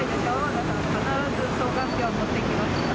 だから必ず双眼鏡を持っていきました。